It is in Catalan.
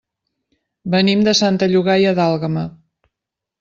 Venim de Santa Llogaia d'Àlguema.